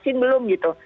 vaksin belum gitu